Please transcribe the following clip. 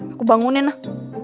aku bangunin lah